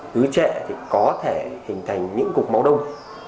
cứ trệ thì có thể hình thành những cục máu đông